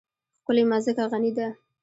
ښکلې مځکه غني ده.